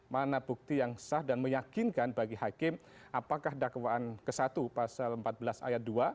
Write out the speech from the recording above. mana bukti yang sah dan meyakinkan bagi hakim apakah dakwaan ke satu pasal empat belas ayat dua